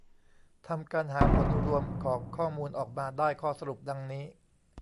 ทำการหาผลรวมของข้อมูลออกมาได้ข้อสรุปดังนี้